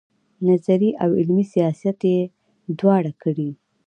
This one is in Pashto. نظري او عملي سیاست یې دواړه کړي.